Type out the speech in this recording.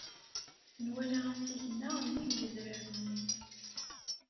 Nwala asigna nnig wedrar-nni.